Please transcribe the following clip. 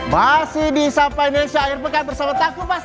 masih bisa financial air pekat bersama aku pas